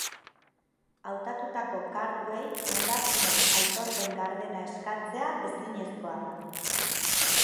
Hautatutako karguei ondasunen aitorpen gardena eskatzea ezinezkoa da.